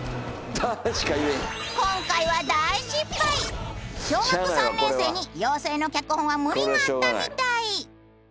今回は小学３年生に妖精の脚本は無理があったみたい。